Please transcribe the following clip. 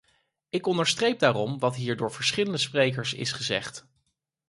Ik onderstreep daarom wat hier door verschillende sprekers is gezegd.